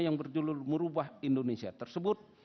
yang berjulur merubah indonesia tersebut